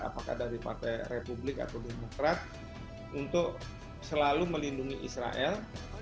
apakah dari partai republik atau demokrat untuk selalu melindungi israel